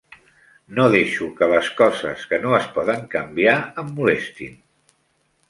No deixo que les coses que no es poden canviar em molestin.